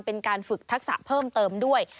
เป็นการฝึกทักษะเพิ่มเติมด้วย